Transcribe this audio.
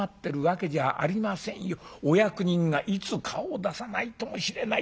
お役人がいつ顔を出さないともしれない。